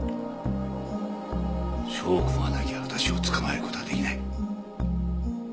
証拠がなきゃ私を捕まえる事はできない。